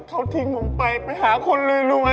แต่เขาทิ้งผมไปไปหาคนเลยรวยอ่ะ